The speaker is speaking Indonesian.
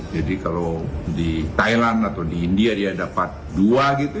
jadi kalau di thailand atau di india dia dapat dua gitu